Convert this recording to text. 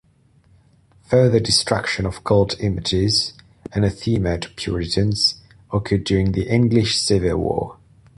Further destruction of cult images, anathema to Puritans, occurred during the English Civil War.